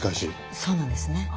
そうなんですね。